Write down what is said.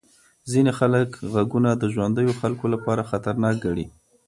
ځینې خلک غږونه د ژوندیو خلکو لپاره خطرناک ګڼي.